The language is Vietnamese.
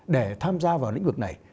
để tham gia vào lĩnh vực này